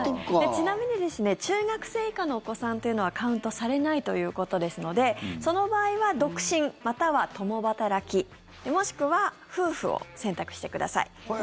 ちなみに中学生以下のお子さんというのはカウントされないということですのでその場合は、独身または共働きもしくは夫婦を選択してください。